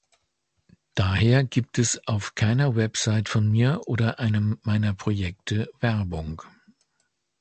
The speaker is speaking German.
Daher gibt es auf keiner Website von mir oder einem meiner Projekte Werbung.